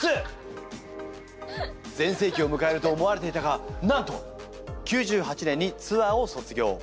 全盛期をむかえると思われていたがなんと９８年にツアーを卒業。